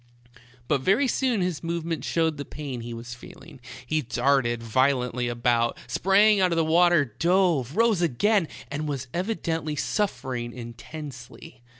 But very soon his movements showed the pain he was feel ing ; he darted violently about, sprang out of the water, dove, rose again, and was evidently suffer ing intensely.